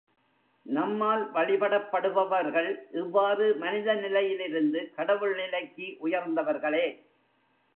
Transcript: நம்மால் வழிபடப்படுபவர்கள், இவ்வாறு, மனித நிலையிலிருந்து கடவுள் நிலைக்கு உயர்ந்தவர்களே.